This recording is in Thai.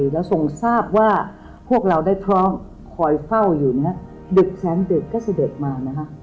และส่งทราบว่าพวกเราได้พร้อมคอยเฝ้าอยู่ณดึกแสงดึกก็จะเด็ดมานะฮะ